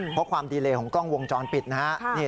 เพราะความดีเลของกล้องวงจรปิดนะฮะ